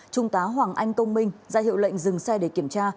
trung tá hoàng anh công minh ra hiệu lệnh dừng xe để kiểm tra